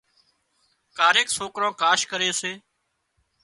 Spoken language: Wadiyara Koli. ڪاريڪ سوڪران ڪاش ڪري سي